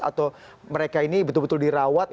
atau mereka ini betul betul dirawat